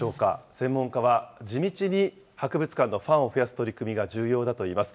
専門家は、地道に博物館のファンを増やす取り組みが重要だといいます。